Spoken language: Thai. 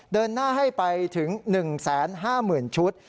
เดินหน้าให้ไปถึง๑๕๐๐๐ชุด